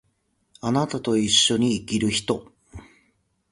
貴方と一緒に生きる人